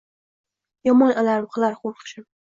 Yomon alam qilar qo’rqishim